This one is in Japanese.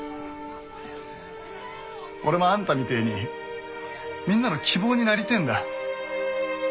俺もあんたみてえにみんなの希望になりてえんだ。